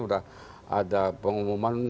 udah ada pengumuman